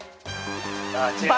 ああ違うか。